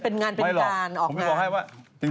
เป็นงานเป็นการออกงาน